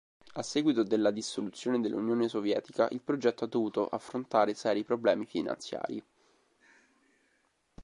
A seguito della dissoluzione dell'Unione sovietica, il progetto ha dovuto affrontare seri problemi finanziari.